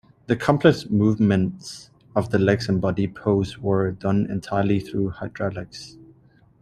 The complex movements of the legs and body pose were done entirely through hydraulics.